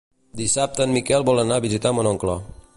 Dissabte en Miquel vol anar a visitar mon oncle.